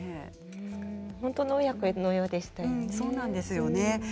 本当の親子のようでしたよね。